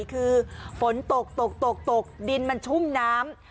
คือฝนตกตกตกตกดินมันชุ่มน้ำ